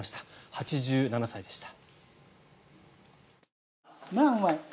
８７歳でした。